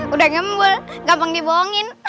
udah gembul gampang dibohongin